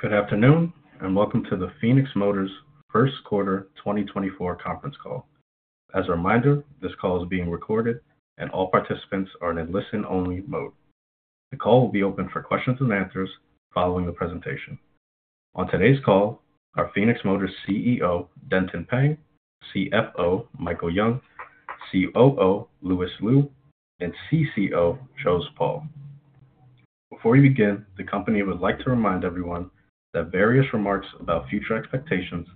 Good afternoon, and welcome to the Phoenix Motor's first quarter, twenty twenty-four conference call. As a reminder, this call is being recorded, and all participants are in a listen-only mode. The call will be open for questions and answers following the presentation. On today's call, our Phoenix Motor's CEO, Denton Peng, CFO, Michael Yung, COO, Lewis Liu, and CCO, Jose Paul. Before we begin, the company would like to remind everyone that various remarks about future expectations,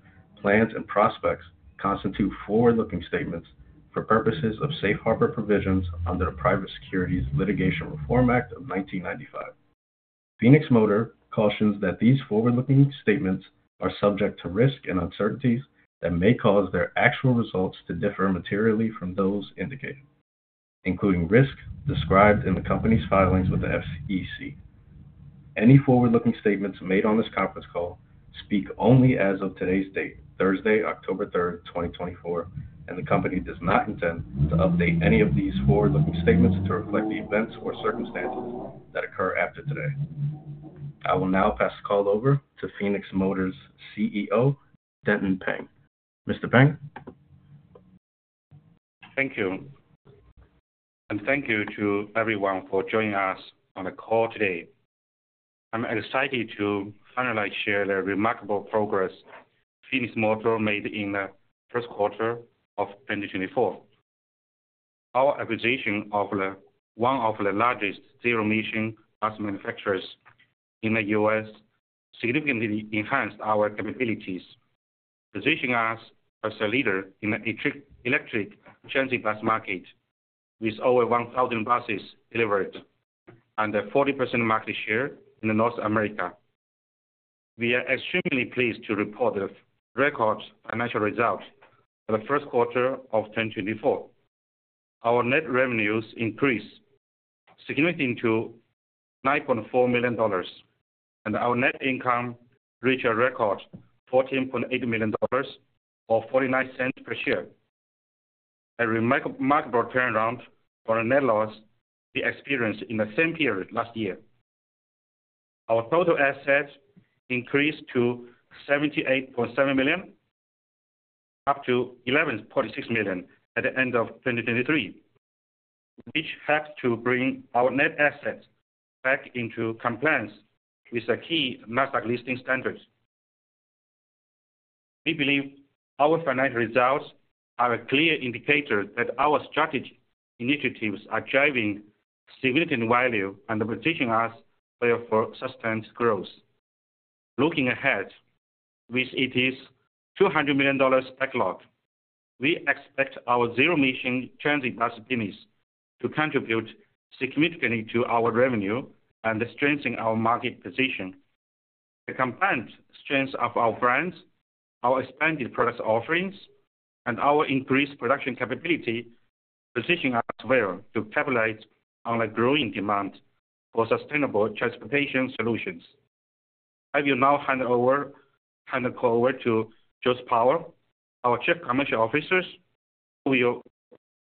plans, and prospects constitute forward-looking statements for purposes of safe harbor provisions under the Private Securities Litigation Reform Act of nineteen ninety-five. Phoenix Motor cautions that these forward-looking statements are subject to risks and uncertainties that may cause their actual results to differ materially from those indicated, including risks described in the company's filings with the SEC. Any forward-looking statements made on this conference call speak only as of today's date, Thursday, October third, twenty twenty-four, and the company does not intend to update any of these forward-looking statements to reflect the events or circumstances that occur after today. I will now pass the call over to Phoenix Motor's CEO, Denton Peng. Mr. Peng? Thank you. And thank you to everyone for joining us on the call today. I'm excited to finally share the remarkable progress Phoenix Motor made in the first quarter of twenty twenty-four. Our acquisition of one of the largest zero-emission bus manufacturers in the U.S. significantly enhanced our capabilities, positioning us as a leader in the electric transit bus market, with over 1,000 buses delivered and a 40% market share in North America. We are extremely pleased to report the record financial results for the first quarter of twenty twenty-four. Our net revenues increased significantly to $9.4 million, and our net income reached a record $14.8 million, or $0.49 per share, a remarkable turnaround for a net loss we experienced in the same period last year. Our total assets increased to $78.7 million, up $11.6 million at the end of 2023, which helped to bring our net assets back into compliance with the key Nasdaq listing standards. We believe our financial results are a clear indicator that our strategy initiatives are driving significant value and positioning us well for sustained growth. Looking ahead, with its $200 million backlog, we expect our zero-emission transit bus business to contribute significantly to our revenue and strengthening our market position. The combined strength of our brands, our expanded product offerings, and our increased production capability position us well to capitalize on a growing demand for sustainable transportation solutions. I will now hand the call over to Jose Paul, our Chief Commercial Officer, who will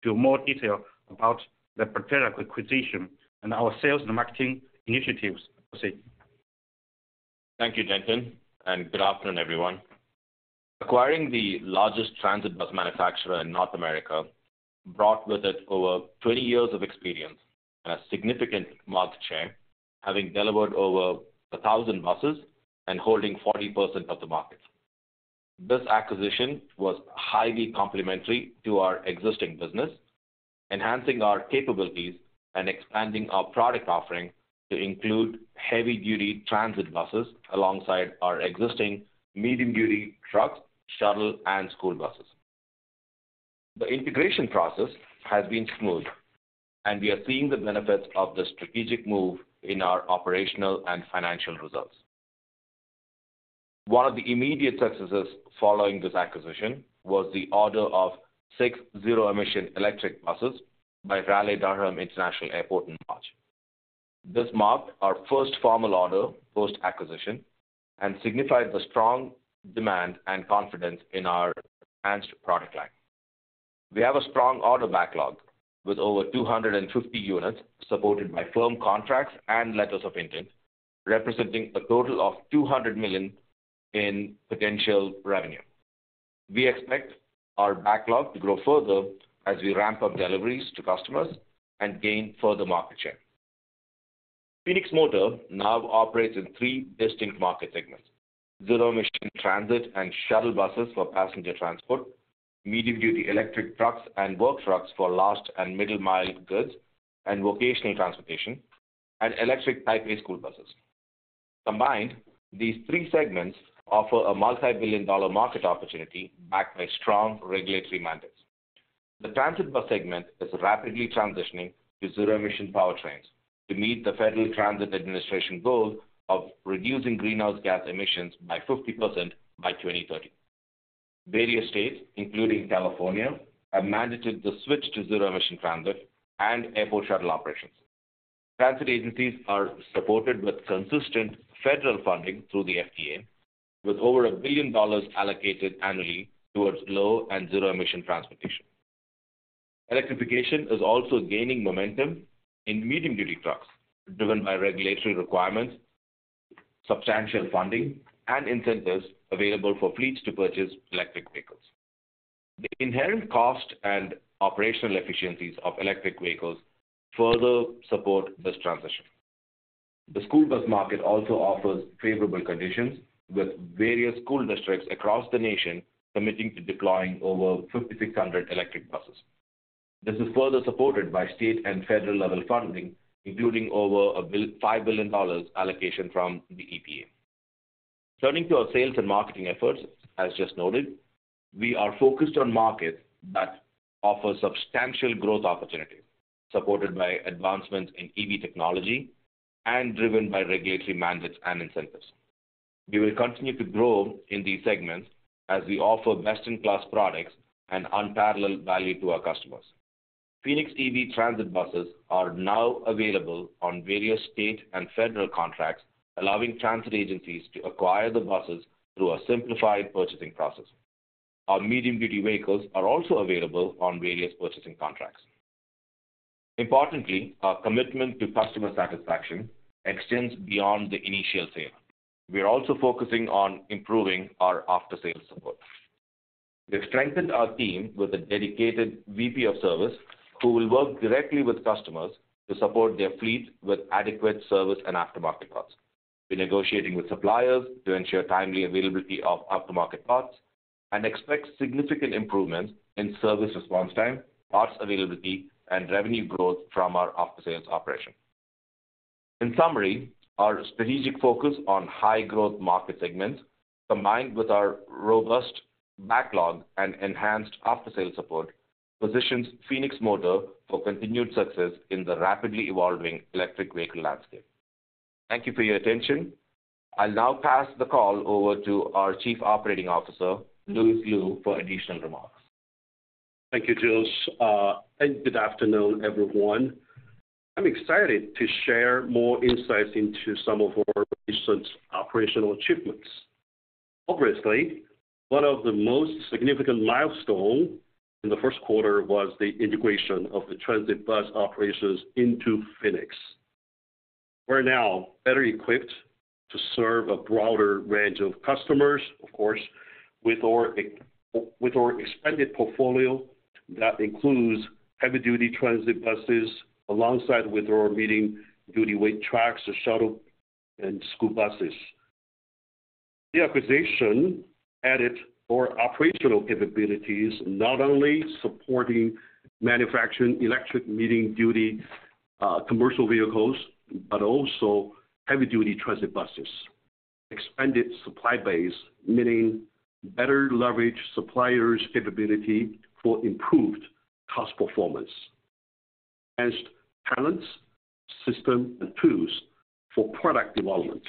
go more into detail about the Proterra acquisition and our sales and marketing initiatives. Jose? Thank you, Denton, and good afternoon, everyone. Acquiring the largest transit bus manufacturer in North America brought with it over twenty years of experience and a significant market share, having delivered over a thousand buses and holding 40% of the market. This acquisition was highly complementary to our existing business, enhancing our capabilities and expanding our product offering to include heavy-duty transit buses alongside our existing medium-duty trucks, shuttle, and school buses. The integration process has been smooth, and we are seeing the benefits of the strategic move in our operational and financial results. One of the immediate successes following this acquisition was the order of six zero-emission electric buses by Raleigh-Durham International Airport in March. This marked our first formal order, post-acquisition, and signified the strong demand and confidence in our enhanced product line. We have a strong order backlog, with over 250 units supported by firm contracts and letters of intent, representing a total of $200 million in potential revenue. We expect our backlog to grow further as we ramp up deliveries to customers and gain further market share. Phoenix Motor now operates in three distinct market segments: zero-emission transit and shuttle buses for passenger transport, medium-duty electric trucks and work trucks for last and middle-mile goods and vocational transportation, and electric Type A school buses. Combined, these three segments offer a multi-billion-dollar market opportunity backed by strong regulatory mandates. The transit bus segment is rapidly transitioning to zero-emission powertrains to meet the Federal Transit Administration goal of reducing greenhouse gas emissions by 50% by 2030. Various states, including California, have mandated the switch to zero-emission transit and airport shuttle operations. Transit agencies are supported with consistent federal funding through the FTA, with over $1 billion allocated annually towards low- and zero-emission transportation. Electrification is also gaining momentum in medium-duty trucks, driven by regulatory requirements, substantial funding, and incentives available for fleets to purchase electric vehicles. The inherent cost and operational efficiencies of electric vehicles further support this transition. The school bus market also offers favorable conditions, with various school districts across the nation committing to deploying over 5,600 electric buses. This is further supported by state and federal-level funding, including over $5 billion allocation from the EPA. Turning to our sales and marketing efforts, as just noted, we are focused on markets that offer substantial growth opportunities, supported by advancements in EV technology and driven by regulatory mandates and incentives. We will continue to grow in these segments as we offer best-in-class products and unparalleled value to our customers. Phoenix EV transit buses are now available on various state and federal contracts, allowing transit agencies to acquire the buses through a simplified purchasing process. Our medium-duty vehicles are also available on various purchasing contracts. Importantly, our commitment to customer satisfaction extends beyond the initial sale. We are also focusing on improving our after-sales support. We've strengthened our team with a dedicated VP of service, who will work directly with customers to support their fleet with adequate service and aftermarket parts. We're negotiating with suppliers to ensure timely availability of aftermarket parts and expect significant improvements in service response time, parts availability, and revenue growth from our after-sales operation. In summary, our strategic focus on high-growth market segments, combined with our robust backlog and enhanced after-sales support, positions Phoenix Motor for continued success in the rapidly evolving electric vehicle landscape. Thank you for your attention. I'll now pass the call over to our Chief Operating Officer, Lewis Liu, for additional remarks. Thank you, Jose. And good afternoon, everyone. I'm excited to share more insights into some of our recent operational achievements. Obviously, one of the most significant milestone in the first quarter was the integration of the transit bus operations into Phoenix. We're now better equipped to serve a broader range of customers, of course, with our with our expanded portfolio that includes heavy-duty transit buses alongside with our medium-duty weight trucks or shuttle and school buses. The acquisition added our operational capabilities, not only supporting manufacturing electric medium-duty, commercial vehicles, but also heavy-duty transit buses. Expanded supply base, meaning better leverage suppliers' capability for improved cost performance. Enhanced talents, system, and tools for product development,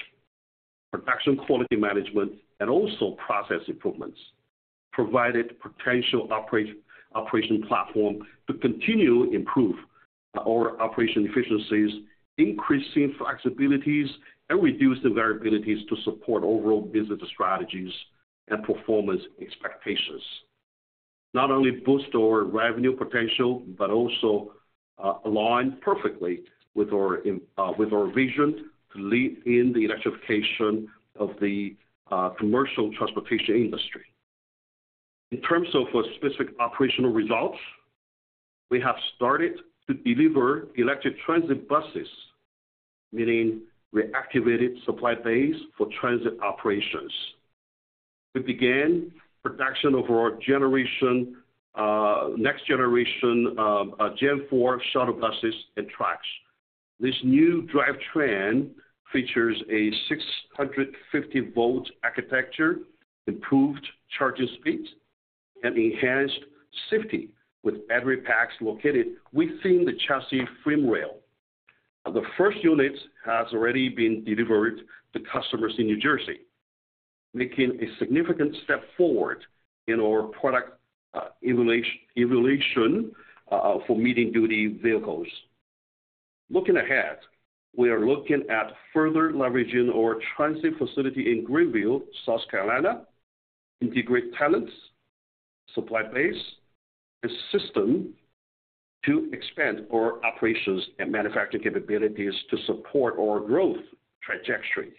production, quality management, and also process improvements, provided potential operation platform to continue improve our operation efficiencies, increasing flexibilities, and reduce the variabilities to support overall business strategies and performance expectations. Not only boost our revenue potential, but also, align perfectly with our vision to lead in the electrification of the commercial transportation industry. In terms of our specific operational results, we have started to deliver electric transit buses, meaning we activated supply base for transit operations. We began production of our next generation Gen4 shuttle buses and trucks. This new drivetrain features a 650-volt architecture, improved charging speeds, and enhanced safety, with battery packs located within the chassis frame rail. The first unit has already been delivered to customers in New Jersey, making a significant step forward in our product evolution for medium-duty vehicles. Looking ahead, we are looking at further leveraging our transit facility in Greenville, South Carolina, integrate talents, supply base, and system to expand our operations and manufacturing capabilities to support our growth trajectory.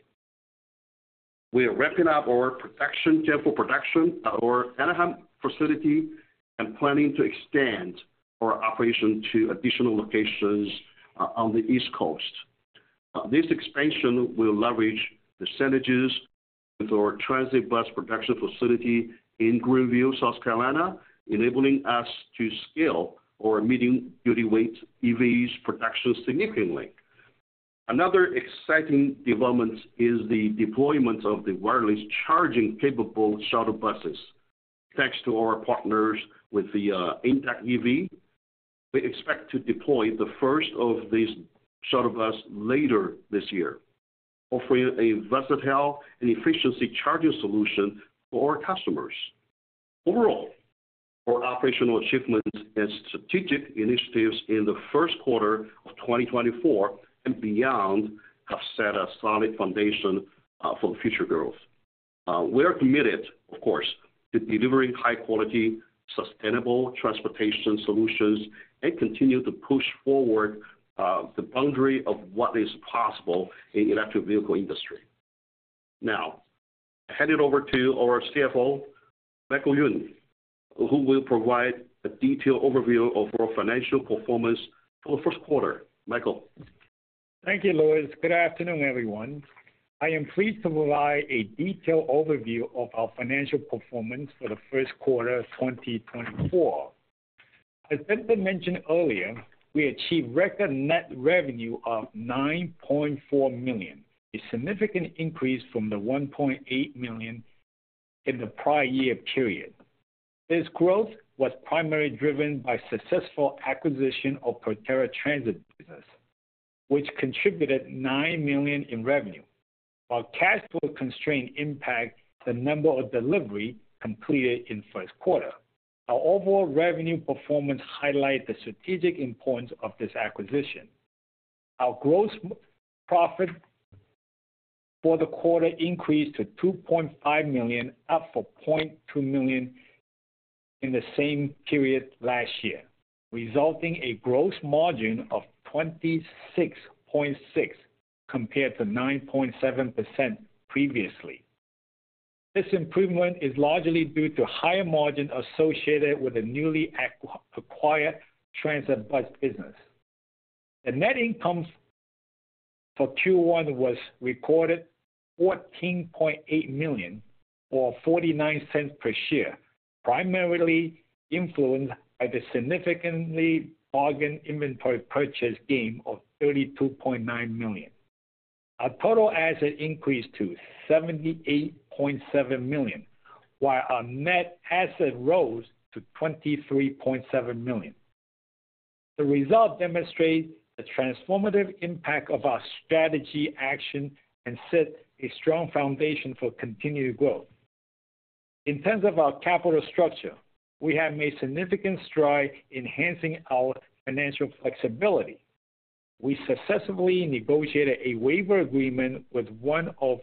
We are ramping up our production, Gen4 production at our Anaheim facility and planning to extend our operation to additional locations on the East Coast. This expansion will leverage the synergies with our transit bus production facility in Greenville, South Carolina, enabling us to scale our medium-duty weight EVs production significantly. Another exciting development is the deployment of the wireless charging-capable shuttle buses. Thanks to our partners with the InductEV, we expect to deploy the first of these shuttle bus later this year, offering a versatile and efficiency charging solution for our customers. Overall, our operational achievements and strategic initiatives in the first quarter of twenty-twenty-four and beyond have set a solid foundation for future growth. We are committed, of course, to delivering high-quality, sustainable transportation solutions and continue to push forward the boundary of what is possible in electric vehicle industry. Now, hand it over to our CFO, Michael Yung, who will provide a detailed overview of our financial performance for the first quarter. Michael? Thank you, Lewis. Good afternoon, everyone. I am pleased to provide a detailed overview of our financial performance for the first quarter of 2024. As Denton mentioned earlier, we achieved record net revenue of $9.4 million, a significant increase from the $1.8 million in the prior year period. This growth was primarily driven by successful acquisition of Proterra Transit business, which contributed $9 million in revenue. While cash flow constraint impact the number of delivery completed in first quarter, our overall revenue performance highlight the strategic importance of this acquisition. Our gross profit for the quarter increased to $2.5 million, up from $0.2 million in the same period last year, resulting a gross margin of 26.6%, compared to 9.7% previously. This improvement is largely due to higher margin associated with the newly acquired transit bus business. The net income for Q1 was recorded $14.8 million, or $0.49 per share, primarily influenced by the significant bargain inventory purchase gain of $32.9 million. Our total asset increased to $78.7 million, while our net asset rose to $23.7 million. The result demonstrate the transformative impact of our strategy, action, and set a strong foundation for continued growth. In terms of our capital structure, we have made significant stride enhancing our financial flexibility. We successfully negotiated a waiver agreement with one of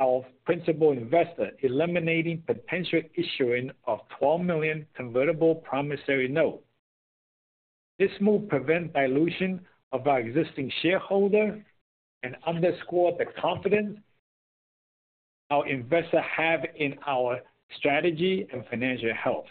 our principal investor, eliminating potential issuing of $12 million convertible promissory note. This move prevent dilution of our existing shareholder and underscore the confidence our investors have in our strategy and financial health.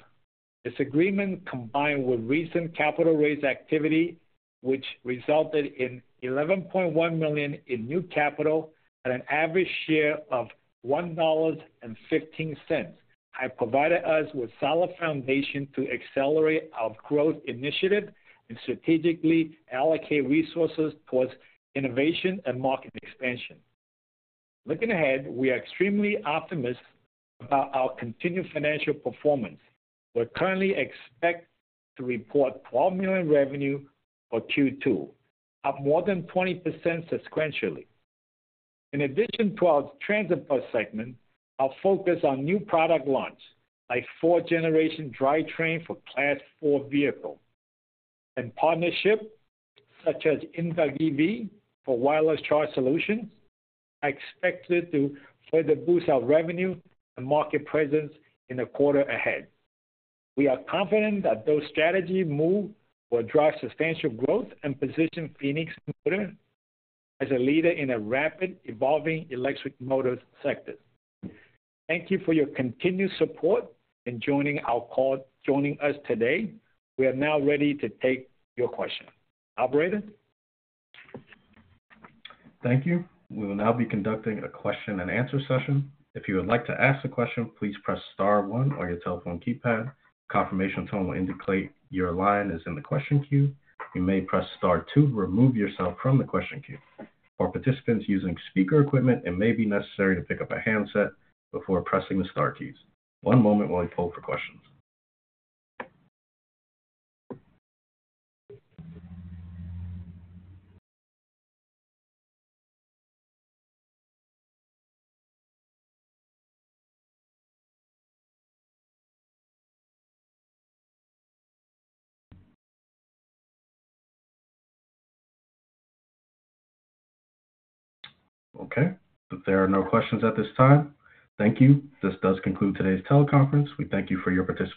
This agreement, combined with recent capital raise activity, which resulted in $11.1 million in new capital at an average share of $1.15, have provided us with solid foundation to accelerate our growth initiative and strategically allocate resources towards innovation and market expansion. Looking ahead, we are extremely optimistic about our continued financial performance. We currently expect to report $12 million revenue for Q2, up more than 20% sequentially. In addition to our transit bus segment, our focus on new product launch, like fourth-generation drivetrain for Class 4 vehicle, and partnership, such as InductEV for wireless charge solutions, are expected to further boost our revenue and market presence in the quarter ahead. We are confident that those strategy move will drive substantial growth and position Phoenix Motor as a leader in a rapidly evolving electric motor sector. Thank you for your continued support in joining us today. We are now ready to take your question. Operator? Thank you. We will now be conducting a question and answer session. If you would like to ask a question, please press star one on your telephone keypad. Confirmation tone will indicate your line is in the question queue. You may press star two to remove yourself from the question queue. For participants using speaker equipment, it may be necessary to pick up a handset before pressing the star keys. One moment while we poll for questions. Okay, if there are no questions at this time, thank you. This does conclude today's teleconference. We thank you for your participation.